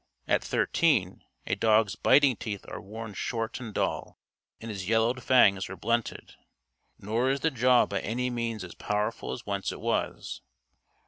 At thirteen, a dog's "biting teeth" are worn short and dull, and his yellowed fangs are blunted; nor is the jaw by any means as powerful as once it was.